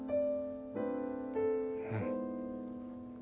うん。